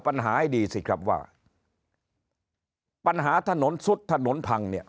ปัญหาให้ดีสิครับว่าปัญหาถนนซุดถนนพังเนี่ย